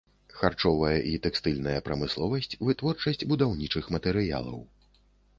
Харчовая і тэкстыльная прамысловасць, вытворчасць будаўнічых матэрыялаў.